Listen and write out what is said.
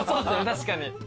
確かに。